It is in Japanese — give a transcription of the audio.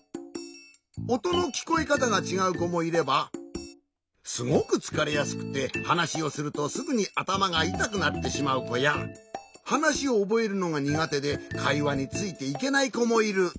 おとのきこえかたがちがう子もいればすごくつかれやすくて話をするとすぐにあたまがいたくなってしまう子や話をおぼえるのが苦手でかいわについていけない子もいる。